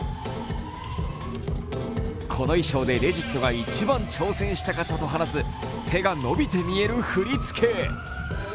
この衣装でレジットが一番挑戦したかったと話す手が伸びて見える振り付け。